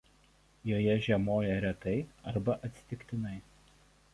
Joje žiemoja retai arba atsitiktinai.